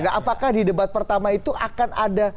apakah di debat pertama itu akan ada